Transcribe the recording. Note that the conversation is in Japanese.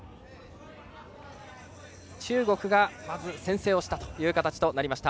中国がまず先制をしたという形になりました。